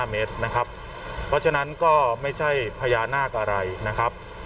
เมตรนะครับเพราะฉะนั้นก็ไม่ใช่พญานาคอะไรนะครับ